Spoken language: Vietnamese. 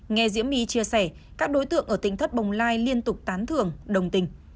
nghe diễm my chia sẻ các đối tượng ở tỉnh thất bồng lai liên tục tán thường đồng tình